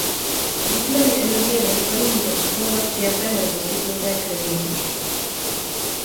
Nicméně energie v rozpadu může představovat přijaté nebo poskytnuté kmity mřížky.